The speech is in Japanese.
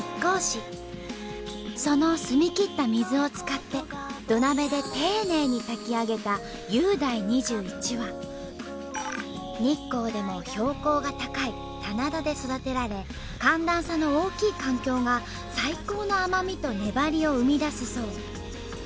その澄みきった水を使って土鍋で丁寧に炊き上げた日光でも標高が高い棚田で育てられ寒暖差の大きい環境が最高の甘みと粘りを生み出すそう。